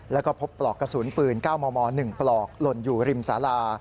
แล้วก็พบปลอกกระสุนปืน๙มม๑ปลอกหล่นอยู่ริมสารา